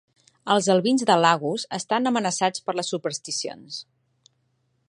Els albins de Lagos estan amenaçats per les supersticions.